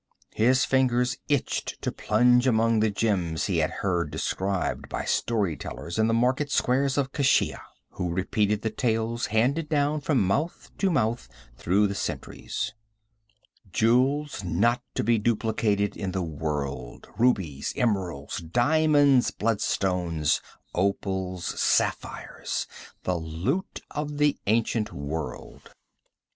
His fingers itched to plunge among the gems he had heard described by story tellers in the market squares of Keshia, who repeated tales handed down from mouth to mouth through the centuries jewels not to be duplicated in the world, rubies, emeralds, diamonds, bloodstones, opals, sapphires, the loot of the ancient world.